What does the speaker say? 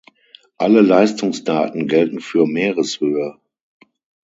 Alle Leistungsdaten gelten für Meereshöhe.